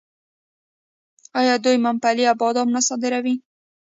آیا دوی ممپلی او بادام نه صادروي؟